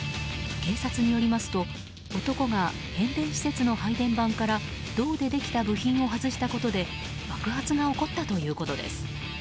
警察によりますと男が変電施設の配電盤から銅でできた部品を外したことで爆発が起こったということです。